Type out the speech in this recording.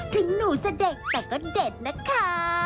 ถึงหนูจะเด็กแต่ก็เด็ดนะคะ